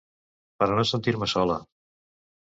Per a no sentir-me sola.